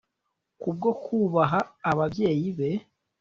kubwo kubaha ababyeyi be